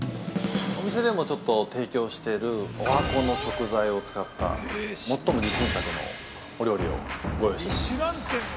◆お店でもちょっと提供してる、十八番の食材を使った最も自信作のお料理をご用意してます。